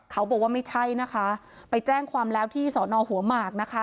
เขาบอกว่าไม่ใช่นะคะไปแจ้งความแล้วที่สอนอหัวหมากนะคะ